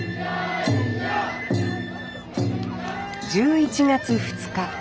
１１月２日。